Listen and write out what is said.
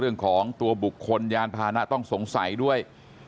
เรื่องของตัวบุคคลยานพานะต้องสงสัยด้วย